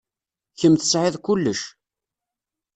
Kemm tesɛiḍ kullec.